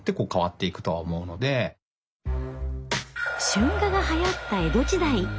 春画がはやった江戸時代。